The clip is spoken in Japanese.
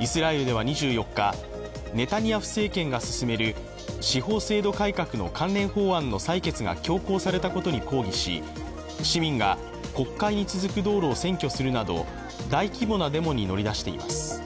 イスラエルでは２４日、ネタニヤフ政権が進める司法制度改革の関連法案の採決が強行されたことに抗議し、市民が国会に続く道路を占拠するなど大規模なデモに乗り出しています。